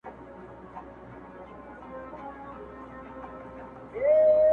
پلټنه د کور دننه پيل کيږي-